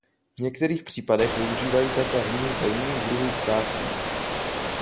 V některých případech využívají také hnízda jiných druhů ptáků.